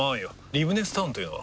リブネスタウンというのは？